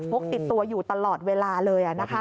กติดตัวอยู่ตลอดเวลาเลย